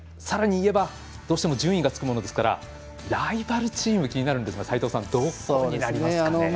さらにいえば、どうしても順位がつくものですからライバルチーム気になるんですが、齋藤さんどこになりますかね？